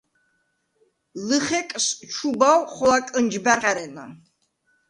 ლჷხეკს ჩუბავ ხოლა კჷნჯბა̈რ ხა̈რენა.